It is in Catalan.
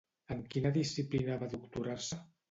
En quina disciplina va doctorar-se?